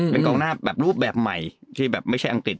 เป็นกองหน้าแบบรูปแบบใหม่ที่แบบไม่ใช่อังกฤษ